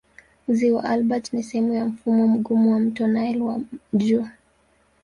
Ziwa Albert ni sehemu ya mfumo mgumu wa mto Nile wa juu.